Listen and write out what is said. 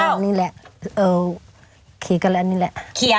กินข้าวนี่แหละเออเขียนกันแล้วนี่แหละ